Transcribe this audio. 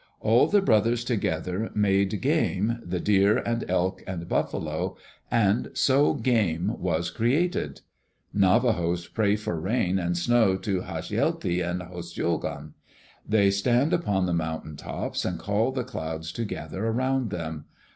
All the brothers together made game, the deer and elk and buffalo, and so game was created. Navajos pray for rain and snow to Hasjelti and Hostjoghon. They stand upon the mountain tops and call the clouds to gather around them.